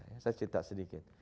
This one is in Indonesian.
saya cerita sedikit